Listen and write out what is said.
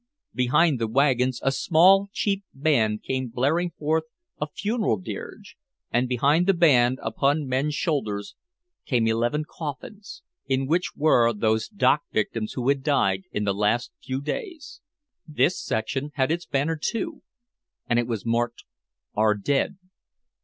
Behind the wagons a small cheap band came blaring forth a funeral dirge, and behind the band, upon men's shoulders, came eleven coffins, in which were those dock victims who had died in the last few days. This section had its banner too, and it was marked, "Our Dead."